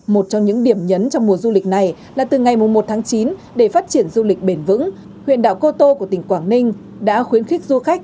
một trong những điểm nhấn trong mùa du lịch này là từ ngày một tháng chín để phát triển du lịch bền vững huyện đảo cô tô của tỉnh quảng ninh đã khuyến khích du khách